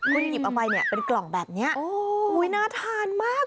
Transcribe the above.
คุณหยิบเอาไปเนี่ยเป็นกล่องแบบนี้น่าทานมาก